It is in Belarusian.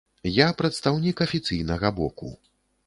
Я прадстаўнік афіцыйнага боку.